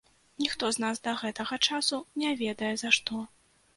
Ніхто з нас да гэтага часу не ведае за што.